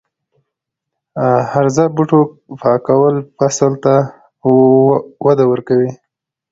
د هرزه بوټو پاکول فصل ته وده ورکوي.